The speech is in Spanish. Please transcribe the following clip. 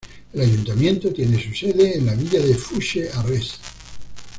El ayuntamiento tiene su sede en la villa de Fushë-Arrëz.